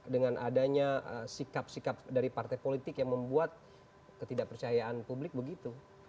dengan adanya sikap sikap dari partai politik yang membuat ketidakpercayaan publik begitu